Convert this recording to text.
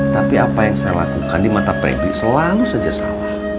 tapi apa yang saya lakukan di mata premi selalu saja salah